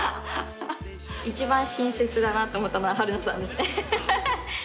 一番親切だなと思ったのは春菜さんですね。